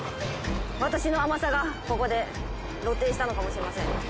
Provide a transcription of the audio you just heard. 私の甘さがここで露呈したのかもしれません。